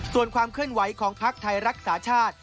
ส่วนความเคลื่อนไหวของภักดิ์ไทยรักษาชาติ